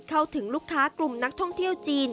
เข้าถึงลูกค้ากลุ่มนักท่องเที่ยวจีน